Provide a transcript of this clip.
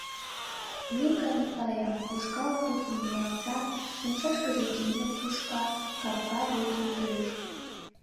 — Милка, Милкаэм... — ушкал тупым ниялта, умшашкыже киндым тушка, капка деке ӱжеш.